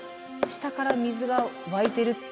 下から水が湧いてる。